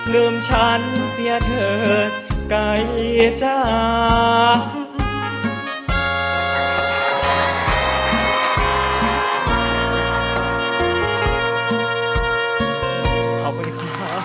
ลืมฉันเสียเถิดใกล้จ้า